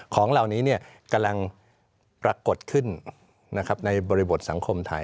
ของเหล่านี้กำลังปรากฏขึ้นในบริบทสังคมไทย